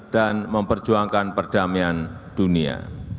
dan memperjuangkan perdamaian dunia